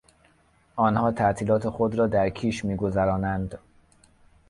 آنها تعطیلات خود را در کیش میگذرانند.